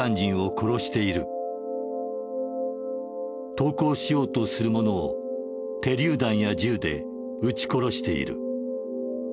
「投降しようとする者を手りゅう弾や銃で撃ち殺している」。